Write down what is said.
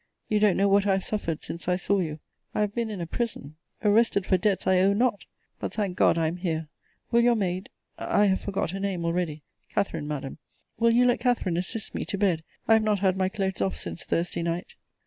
You don't know what I have suffered since I saw you. I have been in a prison! Arrested for debts I owe not! But, thank God, I am here! Will your maid I have forgot her name already Catharine, Madam Will you let Catharine assist me to bed? I have not had my clothes off since Thursday night.